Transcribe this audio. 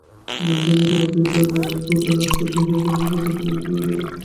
না থামিয়া ঘোড়া দুটা রেড রোডের রাস্তা ধরিয়া পুনর্বার দক্ষিণের দিকে মোড় লইল।